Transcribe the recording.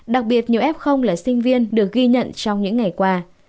đặc biệt nhiều f là sinh viên được ghi nhận trong những ngày qua